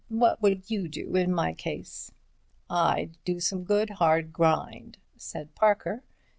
What would you do in my case?" "I'd do some good, hard grind," said Parker.